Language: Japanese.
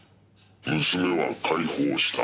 「娘は解放した」